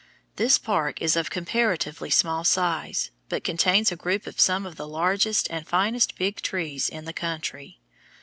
This park is of comparatively small size, but contains a group of some of the largest and finest Big Trees in the country.